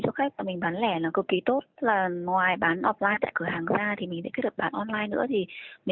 chứ còn nếu mà để bán được nhiều thì chỉ có bán online thôi